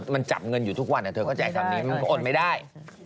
มันจับเงินอยู่ทุกวันเธอเข้าใจคำนี้มันก็อดไม่ได้